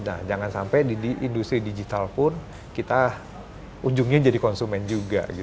nah jangan sampai di industri digital pun kita ujungnya jadi konsumen juga